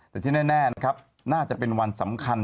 แต่ที่แน่นะครับน่าจะเป็นวันสำคัญ